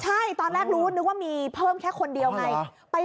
ใช่ตอนแรกรู้นึกว่ามีเพิ่มแค่คนเดียวไง